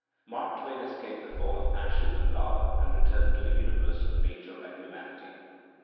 Mark Twain escaped the fall of ashes and lava and returned to the universe of nature and humanity.